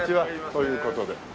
という事で。